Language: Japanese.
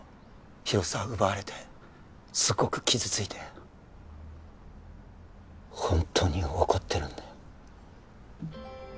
広沢奪われてすごく傷ついてホントに怒ってるんだよ